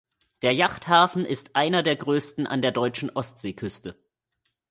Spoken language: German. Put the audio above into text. Der Yachthafen ist einer der größten an der deutschen Ostsee-Küste.